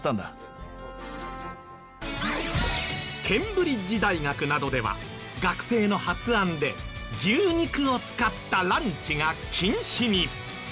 ケンブリッジ大学などでは学生の発案で牛肉を使ったランチが禁止に。